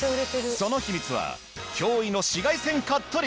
その秘密は驚異の紫外線カット率！